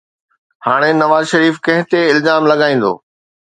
هاڻي نواز شريف ڪنهن تي الزام لڳائيندو؟